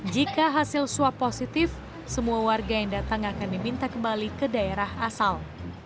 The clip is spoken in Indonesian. jika hasil swab positif semua warga yang datang akan diminta kembali ke daerah asal